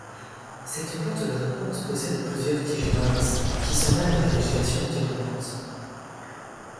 Cette plante grimpante possède plusieurs tiges minces qui s'emmêle dans la végétation environnante.